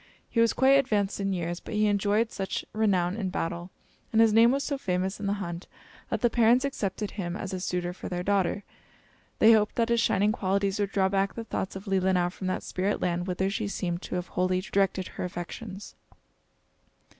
He was quite advanced in years; but he enjoyed such renown in battle, and his name was so famous in the hunt, that the parents accepted him as a suitor for their daughter. They hoped that his shining qualities would draw back the thoughts of Leelinau from that spirit land whither she seemed to have wholly directed her affections.